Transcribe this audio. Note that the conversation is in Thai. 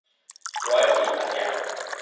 ร้อยสีพันอย่าง